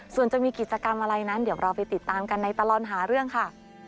ส่วนจะมีกิจกรรมอะไรนั้นเดี๋ยวเราไปติดตามกันในตลอดหาเรื่องค่ะ